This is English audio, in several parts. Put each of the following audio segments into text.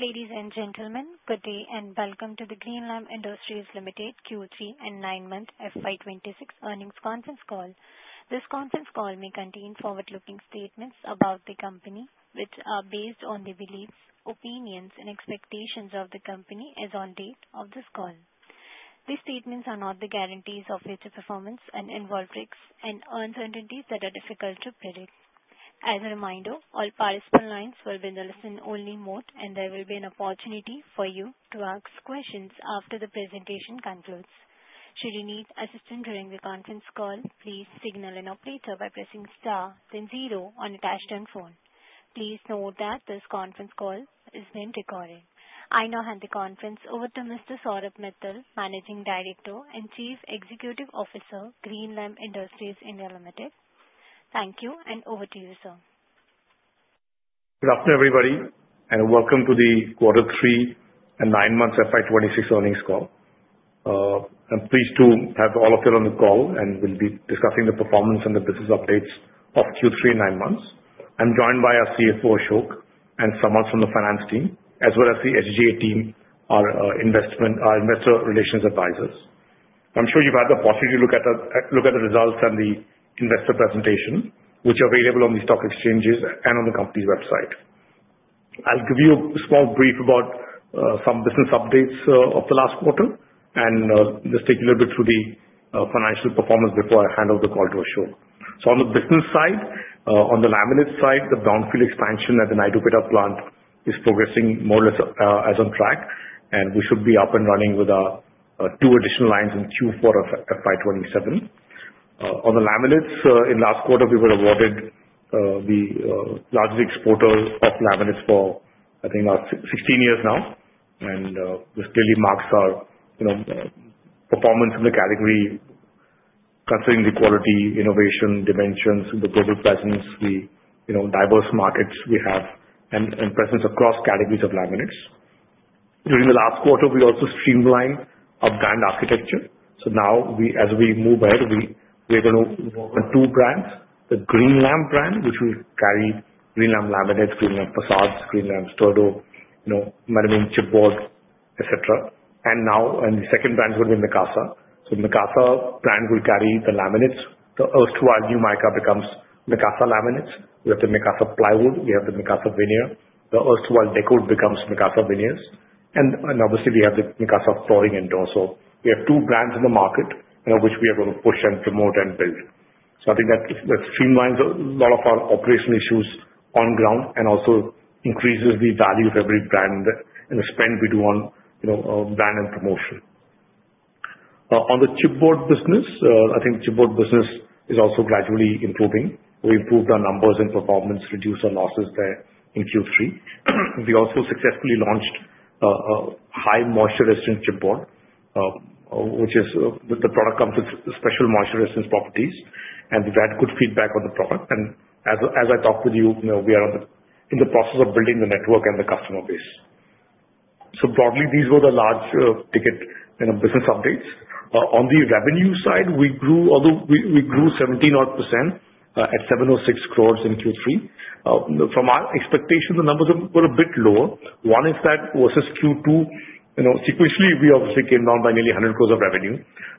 Ladies and gentlemen, good day, and welcome to the Greenlam Industries Limited Q3 and nine-month FY26 earnings conference call. This conference call may contain forward-looking statements about the company, which are based on the beliefs, opinions, and expectations of the company as on date of this call. These statements are not the guarantees of future performance and involve risks and uncertainties that are difficult to predict. As a reminder, all participant lines will be in a listen-only mode, and there will be an opportunity for you to ask questions after the presentation concludes. Should you need assistance during the conference call, please signal an operator by pressing star then zero on your touchtone phone. Please note that this conference call is being recorded. I now hand the conference over to Mr. Saurabh Mittal, Managing Director and Chief Executive Officer, Greenlam Industries India Limited. Thank you, and over to you, sir. Good afternoon, everybody, and welcome to the Q3 and 9 months FY26 earnings call. I'm pleased to have all of you on the call, and we'll be discussing the performance and the business updates of Q3, 9 months. I'm joined by our CFO, Ashok, and some from the finance team, as well as the SGA team, our investor relations advisors. I'm sure you've had the opportunity to look at the results and the investor presentation, which are available on the stock exchanges and on the company's website. I'll give you a small brief about some business updates of the last quarter and just take you a little bit through the financial performance before I hand over the call to Ashok. So on the business side, on the laminate side, the Brownfield expansion at the Naidupeta plant is progressing more or less as on track, and we should be up and running with our two additional lines in Q4 of FY27. On the laminates, in last quarter, we were awarded the largest exporter of laminates for, I think, 16 years now, and this really marks our, you know, performance in the category, considering the quality, innovation, dimensions, the global presence, we, you know, diverse markets we have, and presence across categories of laminates. During the last quarter, we also streamlined our brand architecture. So now we, as we move ahead, we, we're gonna work on two brands: the Greenlam brand, which will carry Greenlam laminates, Greenlam facades, Greenlam Sturdo, you know, melamine chipboard, et cetera. Now, the second brand will be Mikasa. So Mikasa brand will carry the laminates. The erstwhile NewMika becomes Mikasa Laminates. We have the Mikasa Plywood. We have the Mikasa Veneer. The erstwhile Decowood becomes Mikasa Veneers, and obviously we have the Mikasa Flooring and Doors. So we have two brands in the market, you know, which we are going to push and promote and build. So I think that streamlines a lot of our operational issues on ground and also increases the value of every brand and the spend we do on, you know, brand and promotion. On the chipboard business, I think chipboard business is also gradually improving. We improved our numbers and performance, reduced our losses there in Q3. We also successfully launched High Moisture Resistant Chipboard, which is, the product comes with special moisture-resistant properties, and we've had good feedback on the product. As I talked with you, you know, we are in the process of building the network and the customer base. So broadly, these were the large-ticket, you know, business updates. On the revenue side, we grew, although we, we grew 17-odd% at 706 crores in Q3. From our expectations, the numbers were a bit lower. One is that versus Q2, you know, sequentially, we obviously came down by nearly 100 crores of revenue.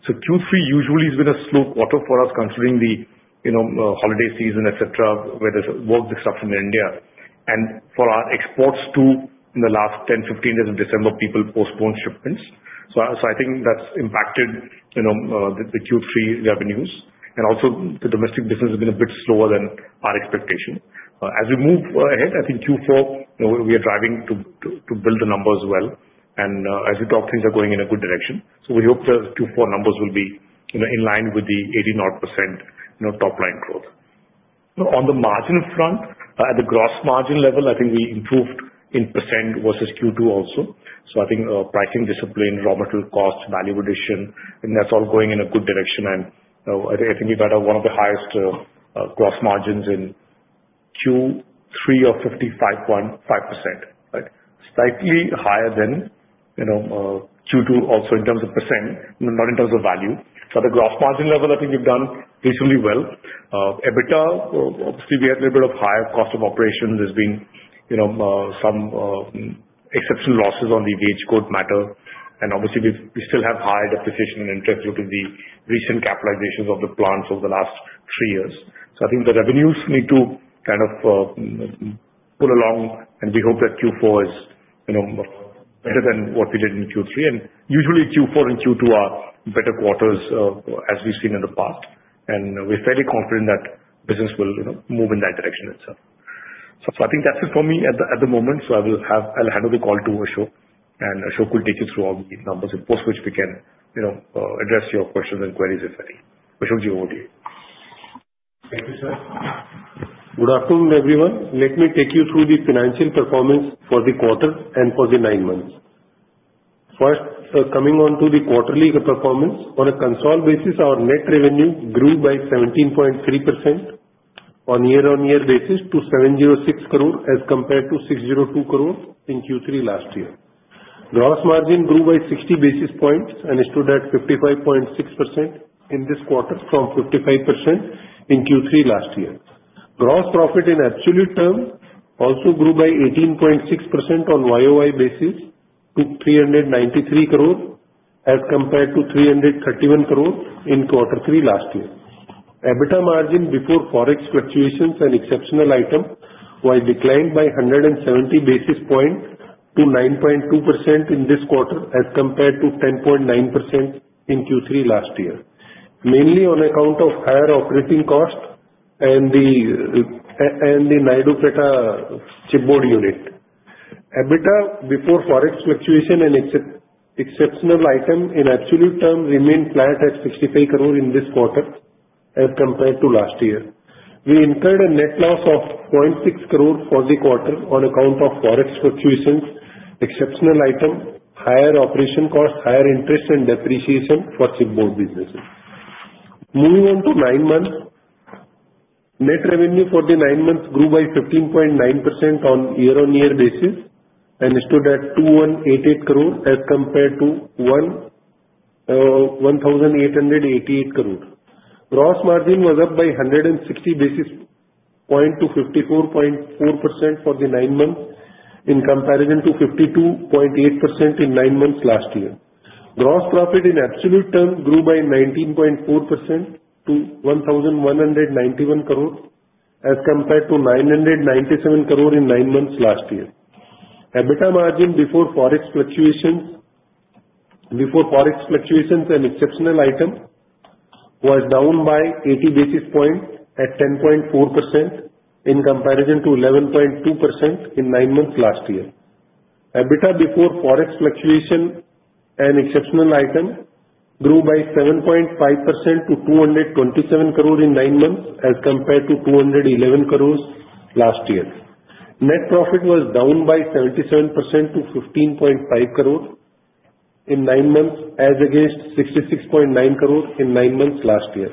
So Q3 usually is a slow quarter for us, considering the, you know, holiday season, et cetera, where there's work disruption in India. For our exports too, in the last 10, 15 days of December, people postponed shipments. So I think that's impacted, you know, the Q3 revenues, and also the domestic business has been a bit slower than our expectation. As we move ahead, I think Q4, you know, we are driving to build the numbers well, and as we talk, things are going in a good direction. So we hope the Q4 numbers will be, you know, in line with the 80-odd%, you know, top-line growth. On the margin front, at the gross margin level, I think we improved 1% versus Q2 also. So I think pricing discipline, raw material cost, value addition, I think that's all going in a good direction. I think we've had one of the highest gross margins in Q3 of 55.5%, right? Slightly higher than, you know, Q2, also in terms of percent, not in terms of value. So the gross margin level, I think we've done reasonably well. EBITDA, obviously we had a little bit of higher cost of operations. There's been, you know, some exceptional losses on the Wage Code matter. And obviously we still have high depreciation and interest due to the recent capitalizations of the plants over the last three years. So I think the revenues need to kind of pull along, and we hope that Q4 is, you know, better than what we did in Q3. Usually Q4 and Q2 are better quarters, as we've seen in the past, and we're fairly confident that business will, you know, move in that direction itself. So I think that's it for me at the moment. So I will have... I'll hand over the call to Ashok, and Ashok will take you through all the numbers, and post which we can, you know, address your questions and queries, if any. Ashokji, over to you. Thank you, sir. Good afternoon, everyone. Let me take you through the financial performance for the quarter and for the nine months. First, so coming on to the quarterly performance. On a consolidated basis, our net revenue grew by 17.3% on year-over-year basis to 706 crore as compared to 602 crore in Q3 last year. Gross margin grew by 60 basis points and stood at 55.6% in this quarter from 55% in Q3 last year. Gross profit in absolute terms also grew by 18.6% on year-over-year basis to 393 crore, as compared to 331 crore in quarter three last year. EBITDA margin before Forex fluctuations and exceptional item was declined by 170 basis points to 9.2% in this quarter, as compared to 10.9% in Q3 last year. Mainly on account of higher operating costs and the Naidupeta chipboard unit. EBITDA before Forex fluctuation and exceptional item in absolute terms remained flat at 65 crore in this quarter as compared to last year. We incurred a net loss of 0.6 crore for the quarter on account of Forex fluctuations, exceptional item, higher operation costs, higher interest and depreciation for chipboard businesses. Moving on to nine months. Net revenue for the nine months grew by 15.9% on year-on-year basis and stood at 2,188 crore as compared to 1,888 crore. Gross margin was up by 160 basis points to 54.4% for the nine months, in comparison to 52.8% in nine months last year. Gross profit in absolute terms grew by 19.4% to 1,191 crore, as compared to 997 crore in nine months last year. EBITDA margin before Forex fluctuations, before Forex fluctuations and exceptional item, was down by 80 basis points at 10.4%, in comparison to 11.2% in nine months last year. EBITDA before Forex fluctuation and exceptional item grew by 7.5% to 227 crore in nine months, as compared to 211 crore last year. Net profit was down by 77% to 15.5 crore in nine months, as against 66.9 crore in nine months last year.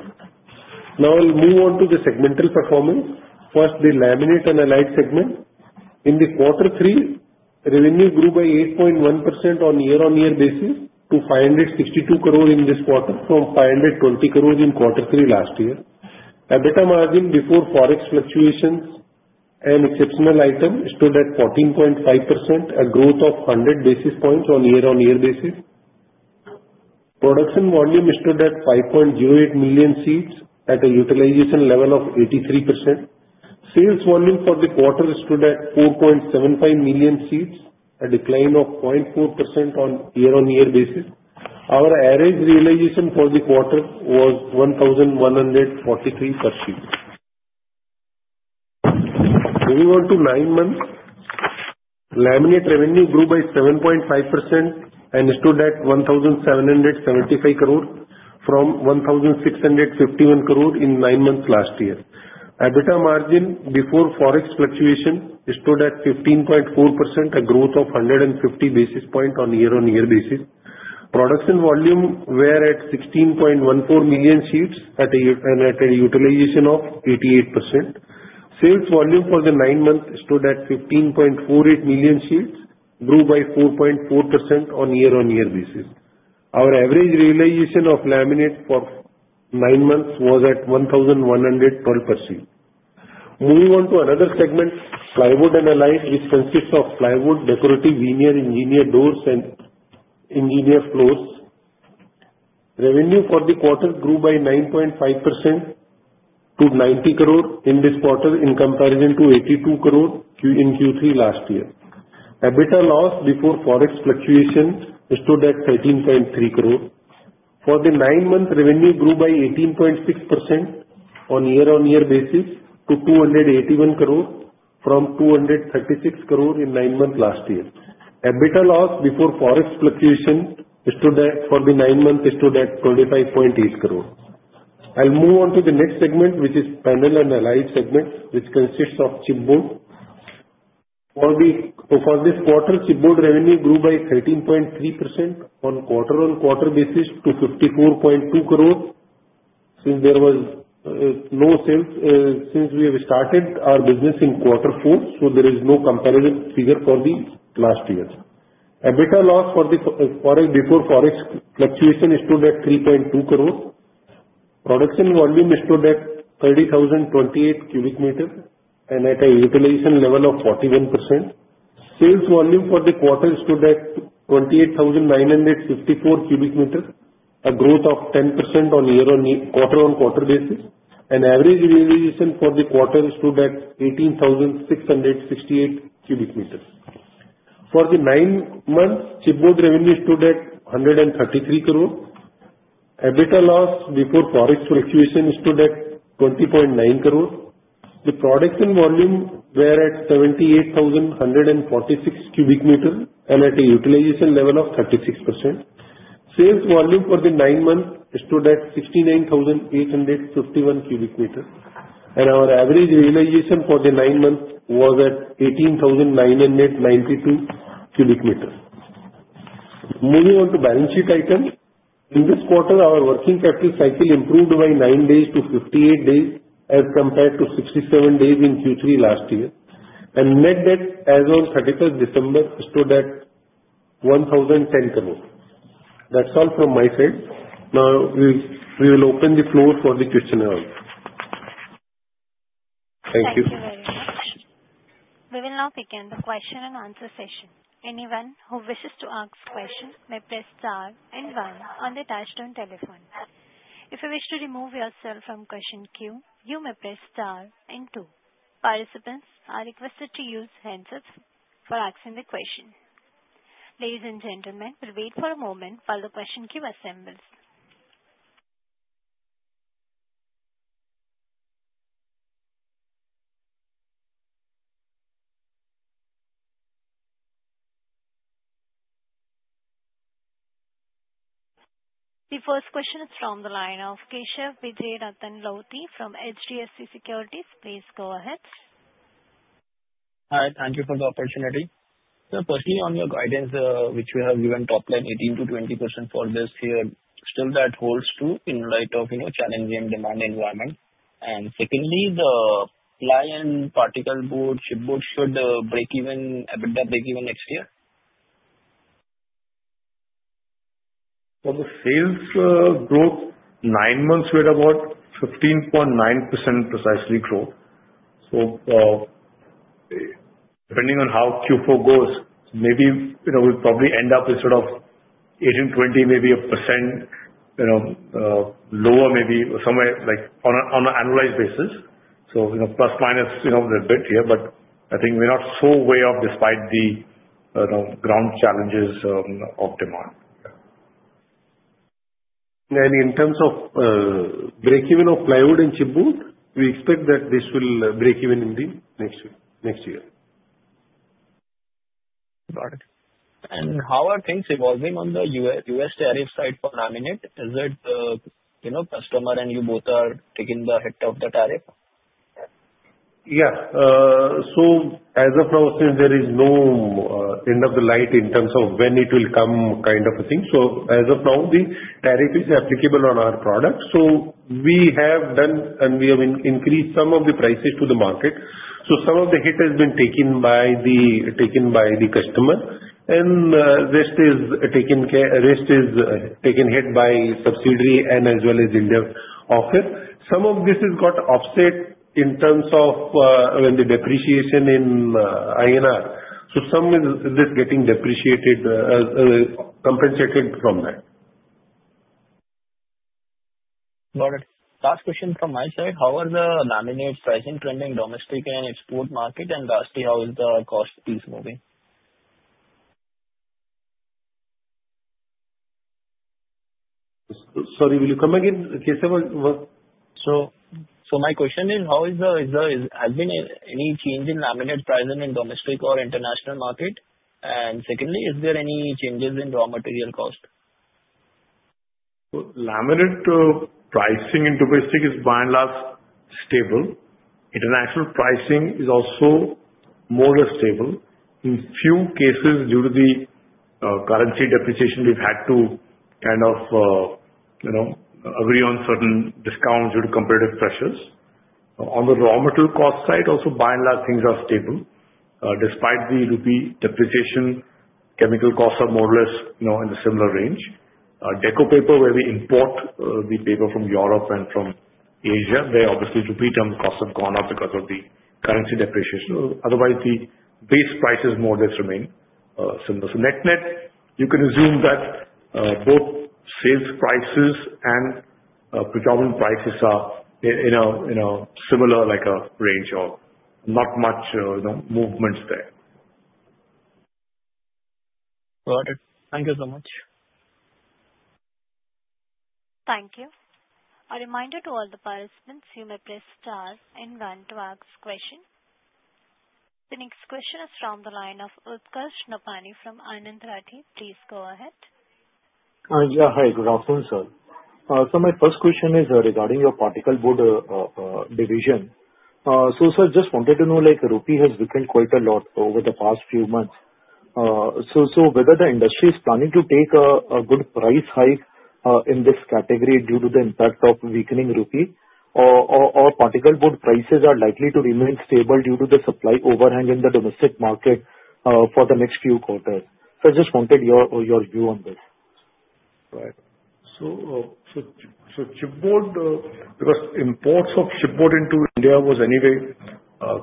Now I'll move on to the segmental performance. First, the laminate and allied segment. In the quarter three, revenue grew by 8.1% on year-on-year basis to 562 crore in this quarter, from 520 crore in quarter three last year. EBITDA margin before Forex fluctuations and exceptional item stood at 14.5%, a growth of 100 basis points on year-on-year basis. Production volume stood at 5.08 million sheets at a utilization level of 83%. Sales volume for the quarter stood at 4.75 million sheets, a decline of 0.4% on year-on-year basis. Our average realization for the quarter was 1,143 per sheet. Moving on to nine months, laminate revenue grew by 7.5% and stood at 1,775 crore, from 1,651 crore in nine months last year. EBITDA margin before Forex fluctuation stood at 15.4%, a growth of 150 basis point on year-on-year basis. Production volume were at 16.14 million sheets at a utilization of 88%. Sales volume for the nine months stood at 15.48 million sheets, grew by 4.4% on year-on-year basis. Our average realization of laminate for nine months was at 1,112 per sheet. Moving on to another segment. Plywood and Allied, it consists of plywood, decorative veneer, engineered doors and engineered flooring. Revenue for the quarter grew by 9.5% to 90 crore in this quarter, in comparison to 82 crore in Q3 last year. EBITDA loss before Forex fluctuations stood at 13.3 crore. For the nine months, revenue grew by 18.6% on year-on-year basis to 281 crore, from 236 crore in nine months last year. EBITDA loss before Forex fluctuation stood at, for the nine months, stood at INR 25.8 crore. I'll move on to the next segment, which is panel and allied segment, which consists of chipboard. For this quarter, chipboard revenue grew by 13.3% on quarter-on-quarter basis to 54.2 crore since there was no sales since we have started our business in quarter four, so there is no comparative figure for the last year. EBITDA loss before Forex fluctuation stood at 3.2 crore. Production volume stood at 30,028 cubic meter and at a utilization level of 41%. Sales volume for the quarter stood at 28,954 cubic meter, a growth of 10% on year on quarter-on-quarter basis, and average realization for the quarter stood at 18,668 cubic meters. For the nine months, chipboard revenue stood at 133 crore. EBITDA loss before Forex fluctuation stood at 20.9 crore. The production volume were at 78,146 cubic meter, and at a utilization level of 36%. Sales volume for the nine months stood at 69,851 cubic meter, and our average realization for the nine months was at 18,992 cubic meter. Moving on to balance sheet item. ...In this quarter, our working capital cycle improved by 9 days to 58 days, as compared to 67 days in Q3 last year. Net debt as of thirty-first December stood at 1,010 crore. That's all from my side. Now, we will open the floor for the question now. Thank you. Thank you very much. We will now begin the question and answer session. Anyone who wishes to ask question may press star and one on the touchtone telephone. If you wish to remove yourself from question queue, you may press star and two. Participants are requested to use handsets for asking the question. Ladies and gentlemen, please wait for a moment while the question queue assembles. The first question is from the line of Keshav Lahoti from HDFC Securities. Please go ahead. Hi, thank you for the opportunity. So firstly, on your guidance, which you have given top line 18%-20% for this year, still that holds true in light of, you know, challenging and demand environment? And secondly, the ply and particle board, chipboard should break even, EBITDA break even next year? For the sales growth, nine months we're about 15.9% growth precisely. So, depending on how Q4 goes, maybe, you know, we'll probably end up with sort of 18-20%, maybe 1% lower, maybe somewhere like on an annualized basis. So, you know, plus minus a little bit here. But I think we're not so way off despite the, you know, ground challenges of demand. And in terms of break even of plywood and chipboard, we expect that this will break even in the next year, next year. Got it. And how are things evolving on the U.S. tariff side for laminate? Is it, you know, customer and you both are taking the hit of the tariff? Yeah. So as of now, since there is no end in sight in terms of when it will come, kind of a thing, so as of now, the tariff is applicable on our products. So we have done and we have increased some of the prices to the market. So some of the hit has been taken by the customer, and rest is taken hit by subsidiary and as well as India office. Some of this has got offset in terms of when the depreciation in INR. So some is getting depreciated compensated from that. Got it. Last question from my side. How are the laminate pricing trending domestic and export market? And lastly, how is the cost piece moving? Sorry, will you come again, Keshav? What, what- So my question is, has there been any change in laminate pricing in domestic or international market? And secondly, is there any changes in raw material cost? So laminate pricing in domestic is by and large stable. International pricing is also more or less stable. In few cases, due to the currency depreciation, we've had to kind of you know agree on certain discounts due to competitive pressures. On the raw material cost side, also, by and large, things are stable. Despite the rupee depreciation, chemical costs are more or less, you know, in the similar range. Our deco paper, where we import the paper from Europe and from Asia, where obviously rupee term costs have gone up because of the currency depreciation. Otherwise, the base prices more or less remain similar. So net-net, you can assume that both sales prices and procurement prices are you know you know similar, like a range of not much you know movements there. Got it. Thank you so much. Thank you. A reminder to all the participants, you may press star and one to ask question. The next question is from the line of Utkarsh Nopany from Anand Rathi. Please go ahead. Hi, good afternoon, sir. My first question is regarding your particleboard division. Sir, just wanted to know, like, rupee has weakened quite a lot over the past few months. Whether the industry is planning to take a good price hike in this category due to the impact of weakening rupee? Or particleboard prices are likely to remain stable due to the supply overhang in the domestic market for the next few quarters. I just wanted your view on this. Right. So chipboard, because imports of chipboard into India was anyway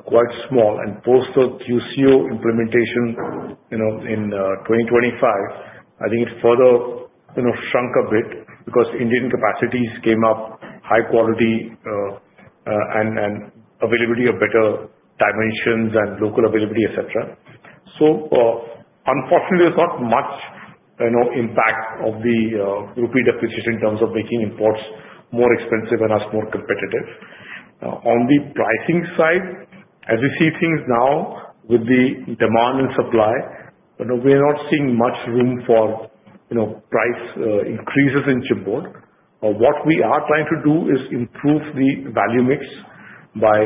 quite small. And post the QCO implementation, you know, in 2025, I think it further, you know, shrunk a bit because Indian capacities came up, high quality, and availability of better dimensions and local availability, et cetera. So unfortunately, there's not much, you know, impact of the rupee depreciation in terms of making imports more expensive and us more competitive. On the pricing side, as you see things now with the demand and supply, you know, we are not seeing much room for, you know, price increases in chipboard. What we are trying to do is improve the value mix by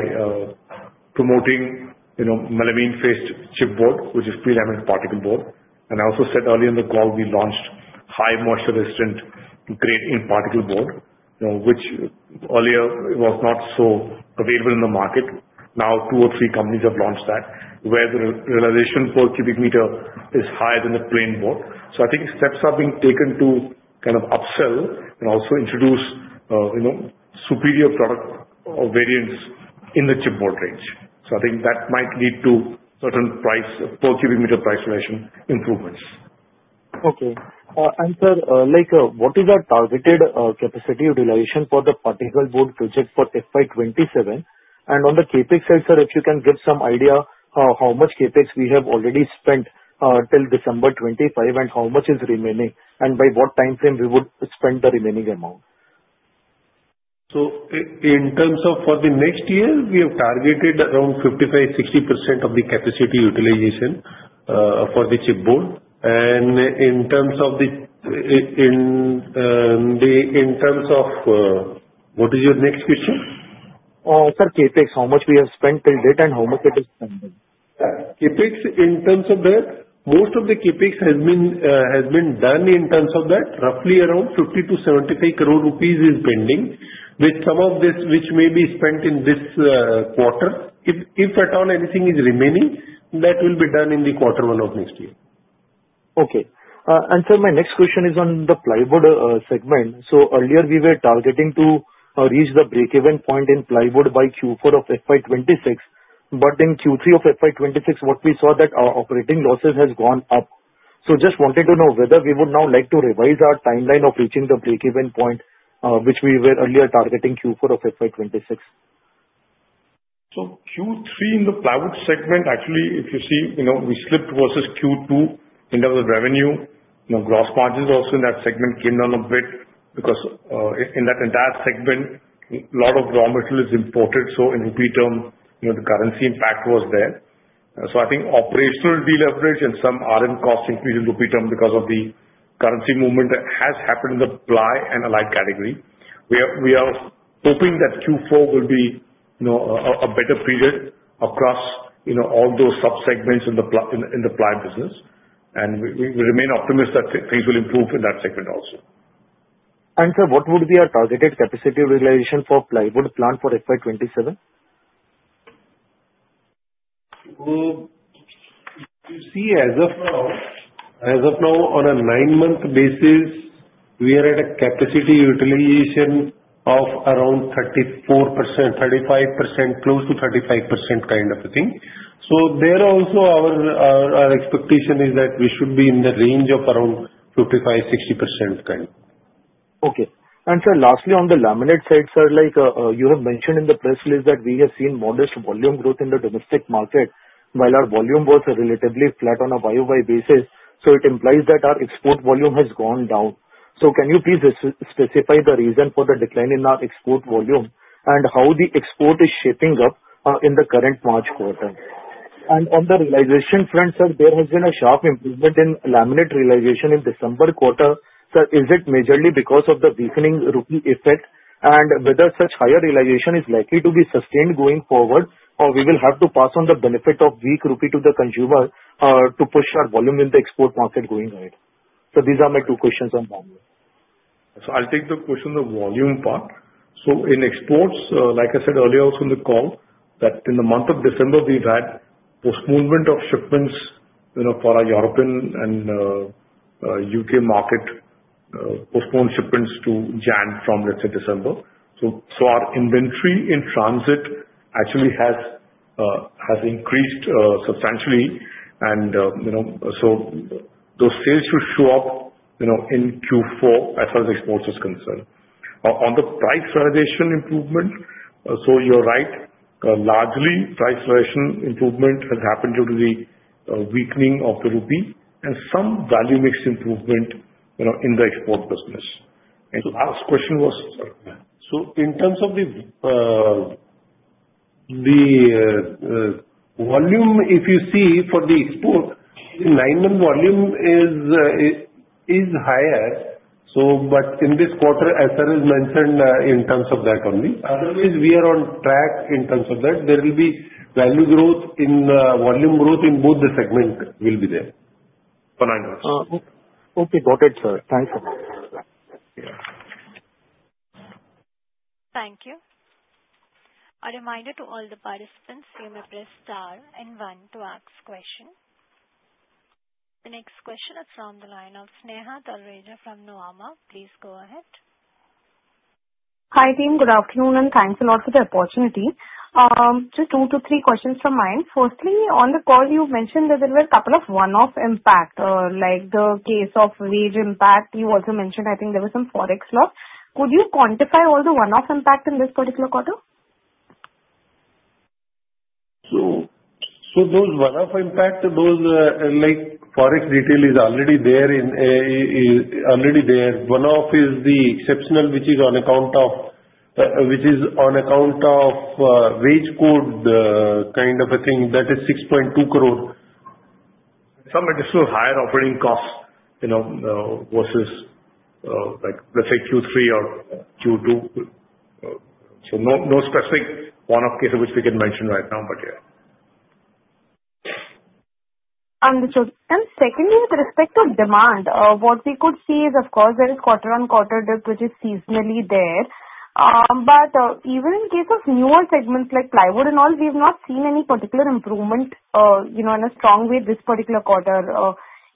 promoting, you know, melamine faced chipboard, which is pre-laminated particle board. And I also said earlier in the call, we launched high moisture resistant grade in particle board, you know, which earlier was not so available in the market. Now, two or three companies have launched that, where the realization per cubic meter is higher than the plain board. So I think steps are being taken to kind of upsell and also introduce, you know, superior product or variants in the chipboard range. So I think that might lead to certain price per cubic meter price realization improvements. Okay. And sir, like, what is our targeted capacity utilization for the particle board project for FY27? And on the CapEx side, sir, if you can give some idea of how much CapEx we have already spent till December 2025, and how much is remaining, and by what timeframe we would spend the remaining amount? So in terms of for the next year, we have targeted around 55%-60% of the capacity utilization for the chipboard. And in terms of... What is your next question? Sir, CapEx, how much we have spent till date, and how much it is pending? CapEx, in terms of that, most of the CapEx has been, has been done in terms of that. Roughly around 50-73 crore rupees is pending, with some of this which may be spent in this, quarter. If, if at all anything is remaining, that will be done in Q1 of next year. Okay. And sir, my next question is on the plywood segment. So earlier we were targeting to reach the breakeven point in plywood by Q4 of FY26. But in Q3 of FY26, what we saw that our operating losses has gone up. So just wanted to know whether we would now like to revise our timeline of reaching the breakeven point, which we were earlier targeting Q4 of FY26. So Q3 in the plywood segment, actually, if you see, you know, we slipped versus Q2 in terms of revenue. You know, gross margins also in that segment came down a bit because in that entire segment, a lot of raw material is imported, so in rupee term, you know, the currency impact was there. So I think operational deleverage and some RM cost increase in rupee term because of the currency movement that has happened in the ply and allied category. We are hoping that Q4 will be, you know, a better period across, you know, all those sub-segments in the ply business. And we remain optimistic that things will improve in that segment also. And sir, what would be our targeted capacity utilization for plywood plant for FY27? So you see, as of now, as of now, on a nine-month basis, we are at a capacity utilization of around 34%, 35%, close to 35% kind of a thing. So there also, our our expectation is that we should be in the range of around 55%-60% kind. Okay. And sir, lastly, on the laminate side, sir, like, you have mentioned in the press release that we have seen modest volume growth in the domestic market, while our volume was relatively flat on a YOY basis, so it implies that our export volume has gone down. So can you please specify the reason for the decline in our export volume, and how the export is shaping up in the current March quarter? And on the realization front, sir, there has been a sharp improvement in laminate realization in December quarter. Sir, is it majorly because of the weakening rupee effect? And whether such higher realization is likely to be sustained going forward, or we will have to pass on the benefit of weak rupee to the consumer to push our volume in the export market going ahead? These are my two questions on volume. So I'll take the question on the volume part. So in exports, like I said earlier also in the call, that in the month of December, we've had postponement of shipments, you know, for our European and U.K. market, postponed shipments to Jan from, let's say, December. So our inventory in transit actually has increased substantially. And, you know, so those sales should show up, you know, in Q4, as far as exports is concerned. On the price realization improvement, so you're right. Largely price realization improvement has happened due to the weakening of the rupee and some value mix improvement, you know, in the export business. And the last question was? So in terms of the volume, if you see for the export, the nine-month volume is higher. So, but in this quarter, as sir has mentioned, in terms of that only. Otherwise, we are on track in terms of that. There will be value growth in, volume growth in both the segments will be there for nine months. Okay, got it, sir. Thanks a lot. Yeah. Thank you. A reminder to all the participants, you may press star and one to ask question. The next question is from the line of Sneha Talreja from Nuvama. Please go ahead. Hi, team. Good afternoon, and thanks a lot for the opportunity. Just 2-3 questions from my end. Firstly, on the call you mentioned that there were a couple of one-off impact, like the case of wage impact. You also mentioned, I think there were some forex loss. Could you quantify all the one-off impact in this particular quarter? So those one-off impact, those, like, forex retail is already there in already there. One-off is the exceptional, which is on account of which is on account of Wage Code kind of a thing. That is 6.2 crore some additional higher operating costs, you know versus like let's say Q3 or Q2. So no no specific one-off case which we can mention right now, but yeah. Understood. Secondly, with respect to demand, what we could see is, of course, there is quarter-on-quarter dip, which is seasonally there. But, even in case of newer segments like plywood and all, we've not seen any particular improvement, you know, in a strong way this particular quarter.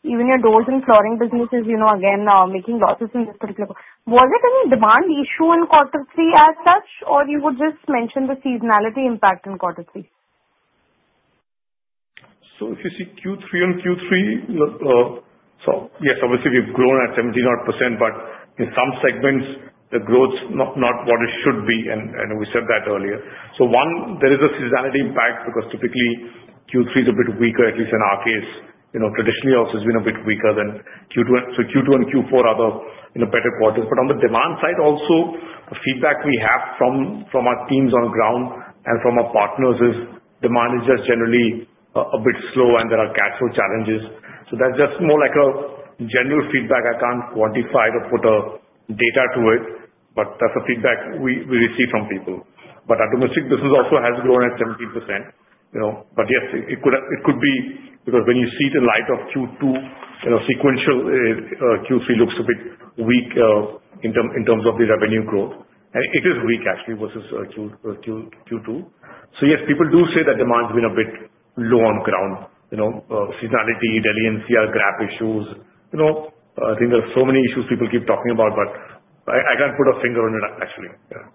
Even your doors and flooring businesses, you know, again, are making losses in this particular. Was it any demand issue in quarter three as such, or you would just mention the seasonality impact in quarter three? So if you see Q3 and Q3, so yes, obviously we've grown at 17% odd, but in some segments the growth's not, not what it should be, and, and we said that earlier. So one, there is a seasonality impact because typically Q3 is a bit weaker, at least in our case. You know, traditionally also it's been a bit weaker than Q2. So Q2 and Q4 are the, you know, better quarters. But on the demand side also, the feedback we have from, from our teams on ground and from our partners is, demand is just generally a, a bit slow and there are cash flow challenges. So that's just more like a general feedback. I can't quantify it or put a data to it, but that's the feedback we, we receive from people. But our domestic business also has grown at 17%, you know, but yes, it could have- it could be... Because when you see the light of Q2, you know, sequential, Q3 looks a bit weak, in terms of the revenue growth. And it is weak actually, versus Q2. So yes, people do say that demand's been a bit low on ground, you know, seasonality, delivery and NCR GRAP issues. You know, I think there are so many issues people keep talking about, but I can't put a finger on it actually. Yeah.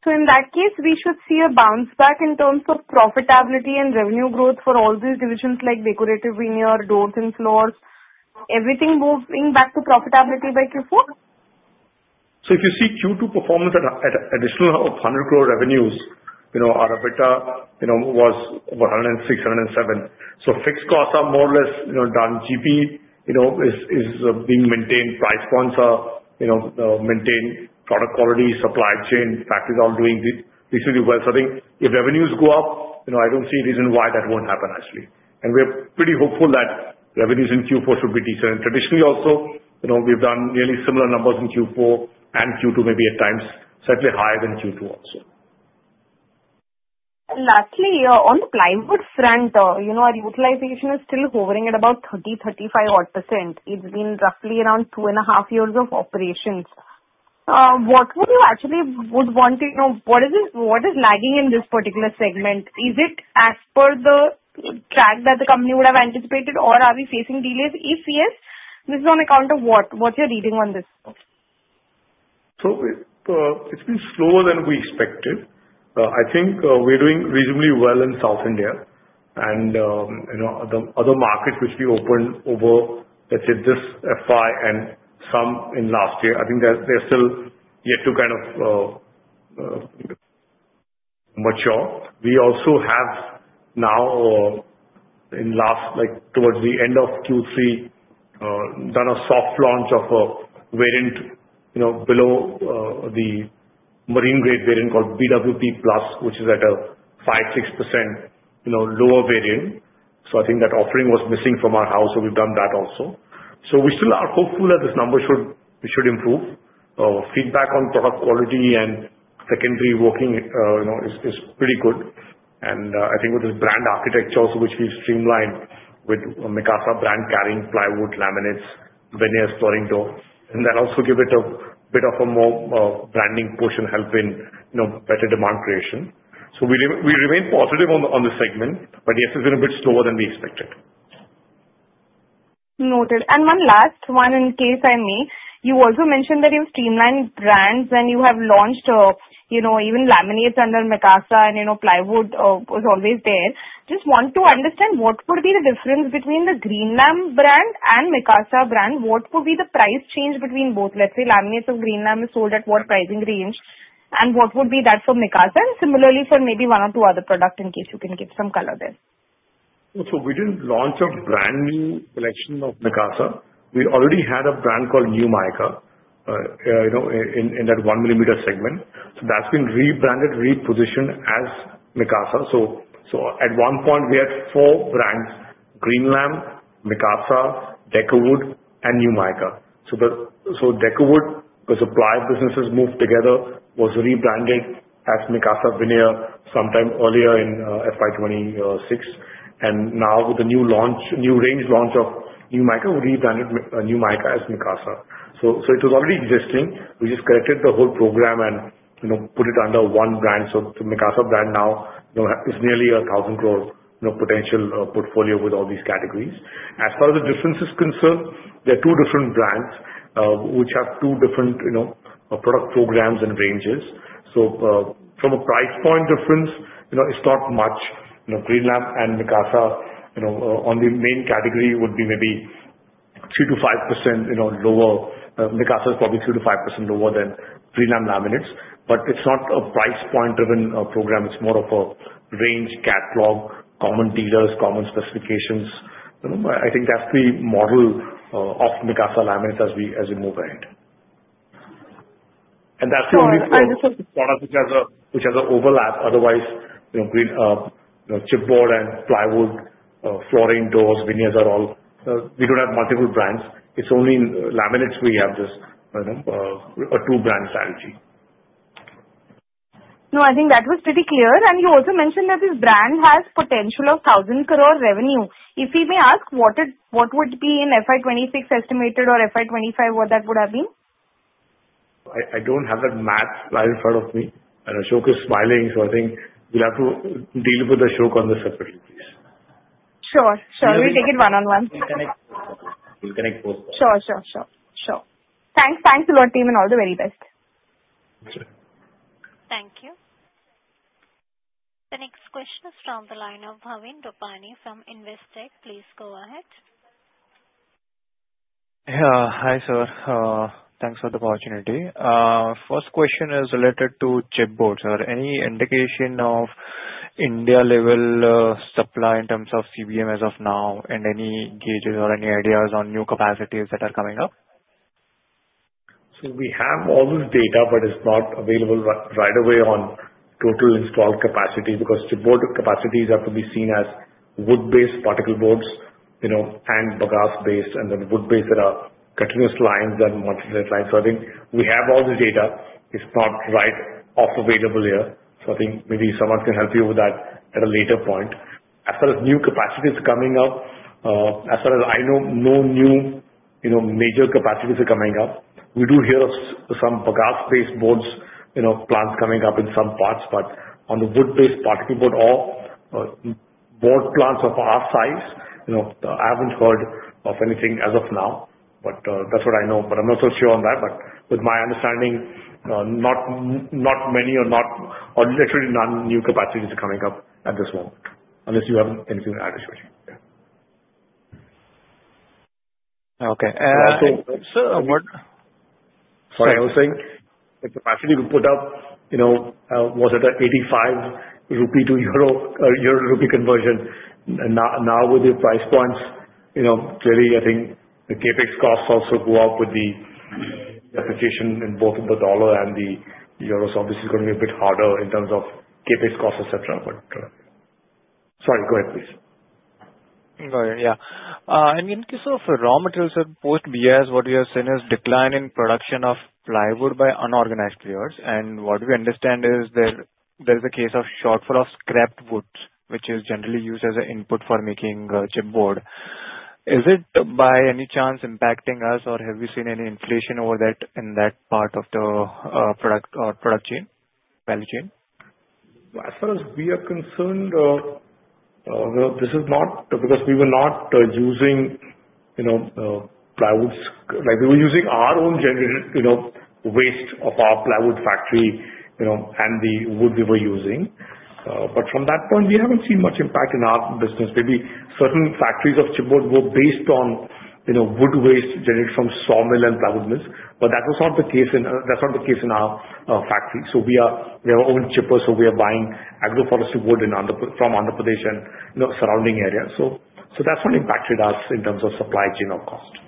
So in that case, we should see a bounce back in terms of profitability and revenue growth for all these divisions, like decorative veneer, doors and floors, everything moving back to profitability by Q4? So if you see Q2 performance at additional 100 crore revenues, you know, our EBITDA, you know, was 106, 107. So fixed costs are more or less, you know, done. GP, you know, is, is, being maintained. Price points are, you know, maintained, product quality, supply chain, factories are all doing reasonably well. So I think if revenues go up, you know, I don't see a reason why that won't happen actually. And we're pretty hopeful that revenues in Q4 should be decent. And traditionally also, you know, we've done really similar numbers in Q4, and Q4 may be at times slightly higher than Q2 also. And lastly, on the plywood front, you know, our utilization is still hovering at about 30-35% odd. It's been roughly around two and a half years of operations. What would you actually would want to know, what is lagging in this particular segment? Is it as per the track that the company would have anticipated, or are we facing delays? If yes, this is on account of what? What's your reading on this? So it, it's been slower than we expected. I think, we're doing reasonably well in South India and, you know, other, other markets which we opened over, let's say, this FY and some in last year, I think they're, they're still yet to kind of, mature. We also have now, or in last, like, towards the end of Q3, done a soft launch of a variant, you know, below, the marine-grade variant called BWP Plus, which is at a 5%, 6%, you know, lower variant. So I think that offering was missing from our house, so we've done that also. So we still are hopeful that this number should, it should improve. Feedback on product quality and secondary working, you know, is, is pretty good. I think with the brand architecture also, which we've streamlined with Mikasa brand carrying plywood, laminates, veneers, flooring, door, and that also give it a bit of a more branding push and help in, you know, better demand creation. So we remain positive on the segment, but yes, it's been a bit slower than we expected. Noted. One last one in case I may. You also mentioned that you've streamlined brands, and you have launched, you know, even laminates under Mikasa and, you know, plywood was always there. Just want to understand, what would be the difference between the Greenlam brand and Mikasa brand? What would be the price change between both? Let's say, laminates of Greenlam is sold at what pricing range, and what would be that for Mikasa? And similarly for maybe one or two other products, in case you can give some color there. So we didn't launch a brand new collection of Mikasa. We already had a brand called NewMika, you know, in that one millimeter segment. So that's been rebranded, repositioned as Mikasa. So at one point we had four brands: Greenlam, Mikasa, Decowood and NewMika. So Decowood, the veneer businesses moved together, was rebranded as Mikasa Veneers sometime earlier in FY26. And now with the new launch, new range launch of NewMika, we rebranded NewMika as Mikasa. So it was already existing. We just collected the whole program and, you know, put it under one brand. So the Mikasa brand now, you know, is nearly 1,000 crore potential portfolio with all these categories. As far as the difference is concerned, there are two different brands, which have two different, you know, product programs and ranges. So, from a price point difference, you know, it's not much. You know, Greenlam and Mikasa, you know, on the main category would be maybe 3%-5% lower. Mikasa is probably 3%-5% lower than Greenlam laminates. But it's not a price point driven program. It's more of a range catalog, common dealers, common specifications. You know, I, I think that's the model of Mikasa Laminates as we, as we move ahead. And that's the only product which has a, which has an overlap, otherwise, you know, chipboard and plywood, flooring, doors, veneers are all, we don't have multiple brands. It's only in laminates we have this, a two-brand strategy. No, I think that was pretty clear. And you also mentioned that this brand has potential of 1,000 crore revenue. If we may ask, what would be in FY26 estimated or FY25, what that would have been? I don't have that math right in front of me, and Ashok is smiling, so I think we'll have to deal with Ashok on this separately, please. Sure. Sure, we'll take it one-on-one. We'll connect post that. Sure, sure, sure. Sure. Thanks, thanks a lot, team, and all the very best. Sure. Thank you. The next question is from the line of Bhavin Rupani from Investec. Please go ahead. Hi, sir. Thanks for the opportunity. First question is related to chipboards. Are any indication of India level, supply in terms of CBM as of now, and any gauges or any ideas on new capacities that are coming up? So we have all this data, but it's not available right away on total installed capacity, because chipboard capacities are to be seen as wood-based particle boards, you know, and bagasse-based, and then wood-based that are continuous lines than multi-layer lines. So I think we have all the data. It's not right off available here, so I think maybe someone can help you with that at a later point. As far as new capacities coming up, as far as I know, no new, you know, major capacities are coming up. We do hear of some bagasse-based boards, you know, plants coming up in some parts. But on the wood-based particle board or board plants of our size, you know, I haven't heard of anything as of now. But, that's what I know, but I'm not so sure on that. But with my understanding, not many or literally none, new capacities are coming up at this moment, unless you have anything to add, Ashok? Okay. So- Sorry, I was saying, the capacity to put up, you know, was at a 85 rupee to EUR, EUR-INR conversion. Now, now with the price points, you know, clearly, I think the CapEx costs also go up with the, appreciation in both the dollar and the euro, so obviously it's going to be a bit harder in terms of CapEx costs, et cetera. But... Sorry, go ahead, please. No, yeah. I mean, in case of raw materials at post-BIS, what we have seen is decline in production of plywood by unorganized players. And what we understand is there is a case of shortfall of scrap woods, which is generally used as an input for making chipboard. Is it, by any chance, impacting us, or have we seen any inflation over that in that part of the product chain, value chain? As far as we are concerned, well, this is not, because we were not using, you know, plywood. Like, we were using our own generated, you know, waste of our plywood factory, you know, and the wood we were using. But from that point, we haven't seen much impact in our business. Maybe certain factories of chipboard were based on, you know, wood waste generated from sawmill and plywood mills, but that was not the case in, that's not the case in our factory. So we are our own chippers, so we are buying agroforestry wood in Andhra Pradesh from Andhra Pradesh and, you know, surrounding areas. So that's not impacted us in terms of supply chain or cost.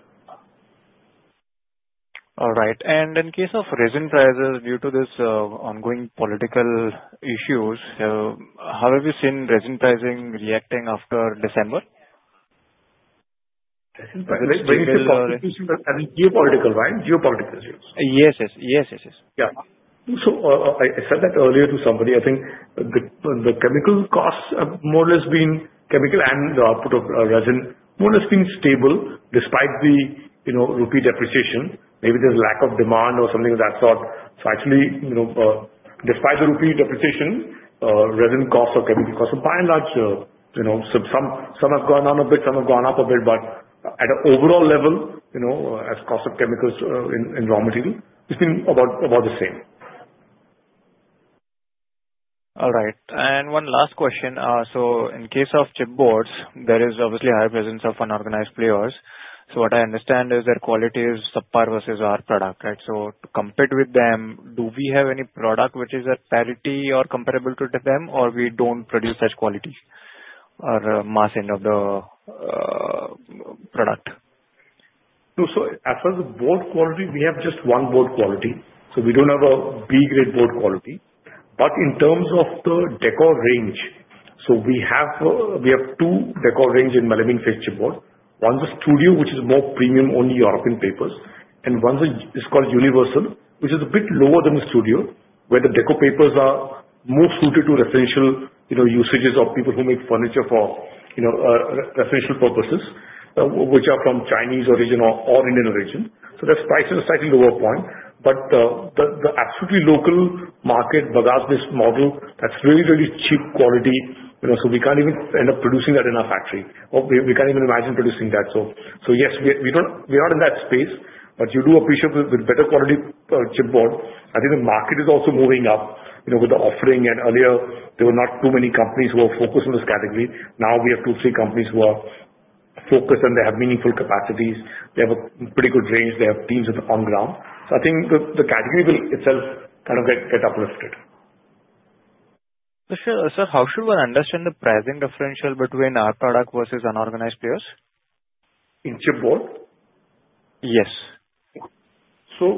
All right. And in case of resin prices, due to this, ongoing political issues, how have you seen resin pricing reacting after December? Resin pricing, when you say political, you mean geopolitical, right? Geopolitical issues. Yes, yes. Yes, yes, yes. Yeah. So, I said that earlier to somebody. I think the chemical costs have more or less been chemical and the output of resin more or less been stable despite the you know rupee depreciation. Maybe there's lack of demand or something of that sort. So actually, you know, despite the rupee depreciation, resin costs or chemical costs, so by and large, you know, some have gone down a bit, some have gone up a bit, but at an overall level, you know, as cost of chemicals in raw material, it's been about the same. All right. And one last question. So in case of chipboards, there is obviously a high presence of unorganized players. So what I understand is their quality is subpar versus our product, right? So to compete with them, do we have any product which is at parity or comparable to them, or we don't produce such quality or mass end of the product? So as far as the board quality, we have just one board quality, so we don't have a B-grade board quality. But in terms of the decor range, so we have, we have two decor ranges in Melamine Faced Chipboard. One is Studio, which is more premium, only European papers, and one is called Universal, which is a bit lower than the Studio, where the decor papers are more suited to residential, you know, usages of people who make furniture for, you know, residential purposes, which are from Chinese origin or Indian origin. So that's priced at a slightly lower point. But, the absolutely local market bagasse-based model, that's really, really cheap quality, you know, so we can't even end up producing that in our factory, or we can't even imagine producing that. Yes, we are not in that space, but you do appreciate with better quality chipboard. I think the market is also moving up, you know, with the offering, and earlier there were not too many companies who were focused on this category. Now, we have two, three companies who are focused, and they have meaningful capacities. They have a pretty good range. They have teams on the ground. So I think the category will itself kind of get uplifted. ... Sir, sir, how should one understand the pricing differential between our product versus unorganized players? In chipboard? Yes. So,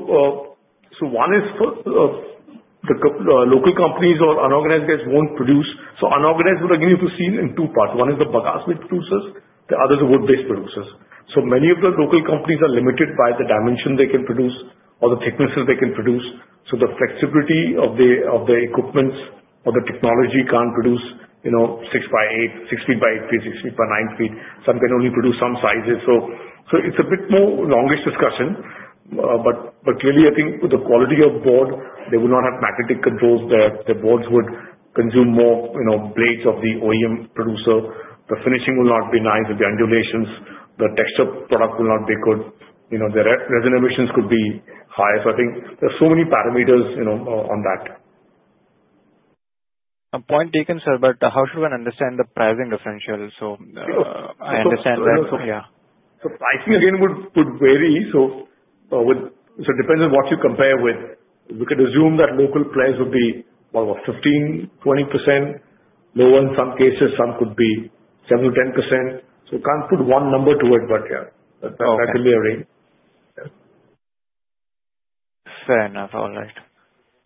one is for the local companies or unorganized guys won't produce. So unorganized, we are going to see in two parts. One is the bagasse producers, the other is wood-based producers. So many of the local companies are limited by the dimension they can produce or the thicknesses they can produce, so the flexibility of the equipment or the technology can't produce, you know, 6 by 8, 6 feet by 8 feet, 6 feet by 9 feet. Some can only produce some sizes. So, it's a bit more longish discussion. But really, I think with the quality of board, they will not have magnetic controls. The boards would consume more, you know, blades of the OEM producer. The finishing will not be nice with the undulations. The texture product will not be good. You know, the resin emissions could be high. So I think there are so many parameters, you know, on, on that. Point taken, sir, but how should one understand the pricing differential? So- Uh, so- I understand that, yeah. So pricing again would could vary, so with... So it depends on what you compare with. We could assume that local players would be 15%-20% lower in some cases, some could be 7%-10%. So we can't put one number to it, but yeah. Okay. That will be a range. Yeah. Fair enough. All right.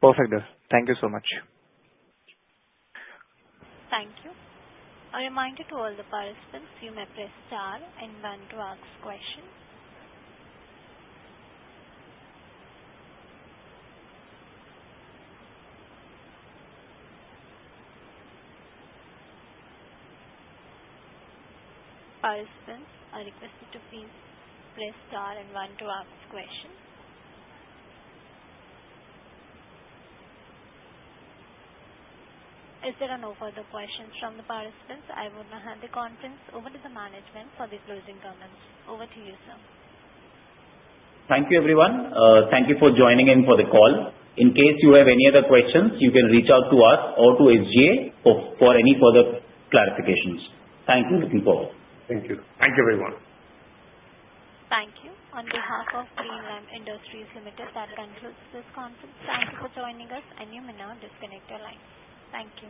Perfect, sir. Thank you so much. Thank you. A reminder to all the participants, you may press star and one to ask questions. Participants are requested to please press star and one to ask questions. If there are no further questions from the participants, I will now hand the conference over to the management for the closing comments. Over to you, sir. Thank you, everyone. Thank you for joining in for the call. In case you have any other questions, you can reach out to us or to SGA for any further clarifications. Thank you, looking forward. Thank you. Thank you, everyone. Thank you. On behalf of Greenlam Industries Limited, that concludes this conference. Thank you for joining us. You may now disconnect your line. Thank you.